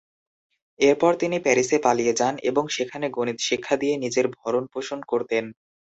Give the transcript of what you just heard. এরপর তিনি প্যারিসে পালিয়ে যান এবং সেখানে গণিত শিক্ষা দিয়ে নিজের ভরণপোষণ করতেন।